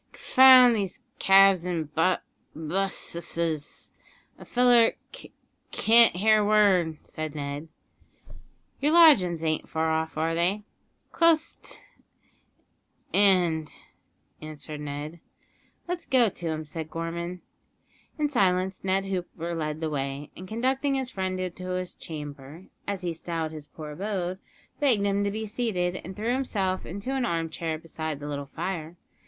"C'found these cabs an' b busseses; a feller c can't hear a word," said Ned. "Your lodgin's an't far off, are they?" "Close 't 'and," answered Ned. "Let's go to 'em," said Gorman. In silence Ned Hooper led the way, and, conducting his friend into his "chamber," as he styled his poor abode, begged him to be seated, and threw himself into an armchair beside the little fire.